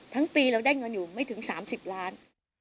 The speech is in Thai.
ทั้งปีเราได้เงินอยู่ไม่ถึงสามสิบล้าน